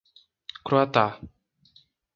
Croatá